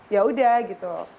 ya udah gitu